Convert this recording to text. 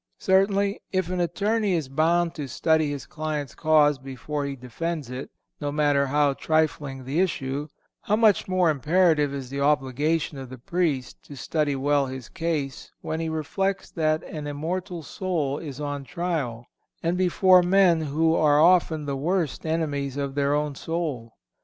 Certainly, if an attorney is bound to study his client's cause before he defends it, no matter how trifling the issue, how much more imperative is the obligation of the Priest to study well his case, when he reflects that an immortal soul is on trial, and before men who are often the worst enemies of their own soul.